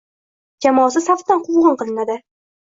jamoasi safidan quvg‘in qilinadi.